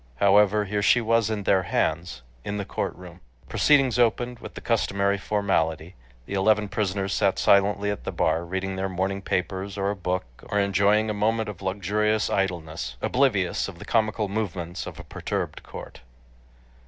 However, here she was in their hands, in the courtroom. Proceedings opened with the customary formality. The eleven prisoners sat silently at the bar, reading their morning papers, or a book, or enjoying a moment of luxurious idleness, oblivious of the comical movements of a perturbed court.